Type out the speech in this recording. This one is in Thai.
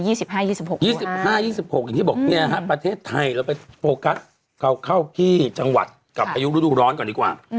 อย่างที่บอกเนี่ยฮะประเทศไทยเราไปโฟกัสเราเข้าที่จังหวัดกับพายุฤดูร้อนก่อนดีกว่า